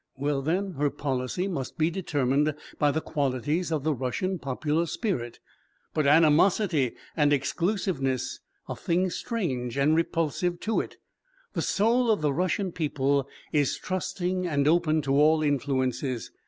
Well, then, her policy must be determined by the qualities of the Russian popular spirit, but animosity and exclusiveness are things strange and repulsive to it. The soul of the Russian people is trusting and open to all influences.